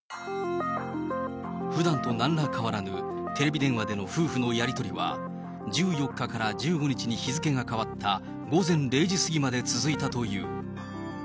ふだんとなんら変わらぬテレビ電話での夫婦のやり取りは、１４日から１５日に日付が変わった午前０時過ぎまで続いたという。